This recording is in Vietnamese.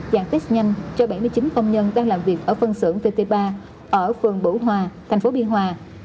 dạng test nhanh cho bảy mươi chín công nhân đang làm việc ở phân xưởng tt ba ở phường bủ hòa tp biên hòa